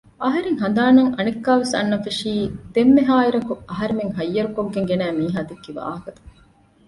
އަހަރެންގެ ހަނދާނަށް އަނެއްކާވެސް އަންނަން ފެށީ ދެންމެހާއިރަކު އަހަރެމެން ހައްޔަރުކޮށްގެން ގެނައި މީހާ ދެއްކި ވާހަކަތައް